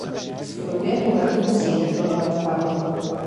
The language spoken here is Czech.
V průběhu letu musí doplňovat palivo.